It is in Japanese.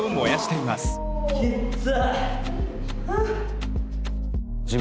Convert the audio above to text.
きっつ。